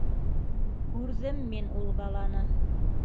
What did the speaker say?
Күрҙем мин ул баланы!